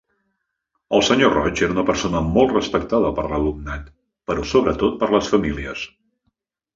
El senyor Roig era una persona molt respectada per l’alumnat, però sobretot per les famílies.